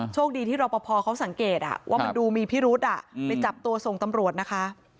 โชคดีที่รอปภเขาสังเกตว่ามันดูมีพิรุษไปจับตัวส่งตำรวจนะคะ